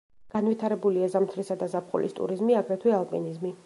განვითარებულია ზამთრისა და ზაფხულის ტურიზმი აგრეთვე ალპინიზმი.